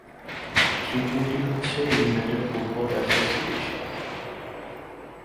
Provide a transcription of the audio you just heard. তৃতীয়টি হচ্ছে ইংল্যান্ডের ফুটবল অ্যাসোসিয়েশন।